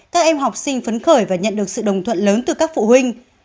các em học sinh phấn khởi và nhận được sự đồng thuận lớn từ các phụ huynh